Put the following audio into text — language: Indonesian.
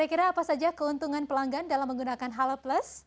kira kira apa saja keuntungan pelanggan dalam menggunakan halo plus